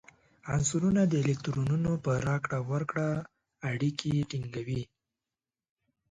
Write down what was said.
عنصرونه د الکترونونو په راکړه ورکړه اړیکې ټینګوي.